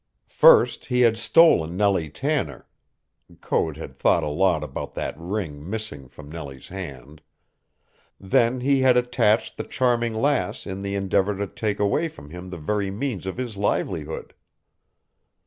First he had stolen Nellie Tanner (Code had thought a lot about that ring missing from Nellie's hand), then he had attached the Charming Lass in the endeavor to take away from him the very means of his livelihood.